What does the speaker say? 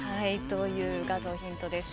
という画像ヒントです。